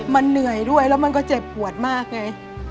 มันเหนื่อยด้วยแล้วมันก็เจ็บปวดมากไง